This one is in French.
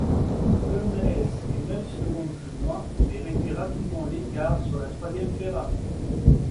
González est neuf secondes plus loin, mais réduit rapidement l'écart sur la troisième Ferrari.